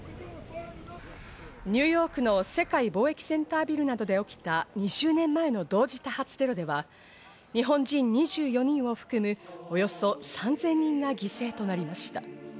ニューヨークの世界貿易センタービルなどで起きた２０年前の同時多発テロでは、日本人２４人を含むおよそ３０００人が犠牲となりました。